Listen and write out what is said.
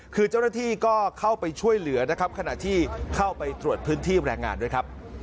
คือเจ้าหน้าที่ก็เข้าไปช่วยเหลือนะครับขณะที่เข้าไปตรวจพื้นที่แรงงานด้วยครับ